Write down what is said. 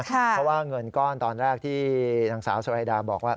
เพราะว่าเงินก้อนตอนแรกที่นางสาวสุรายดาบอกว่า